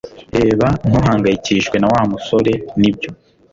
Reba ntuhangayikishijwe na Wa musore Nibyo